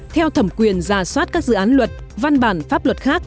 theo thẩm quyền giả soát các dự án luật văn bản pháp luật khác